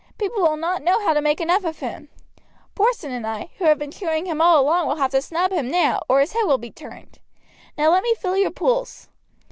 People will not know how to make enough of him. Porson and I, who have been cheering him all along, will have to snub him now or his head will be turned. Now let me feel your pulse.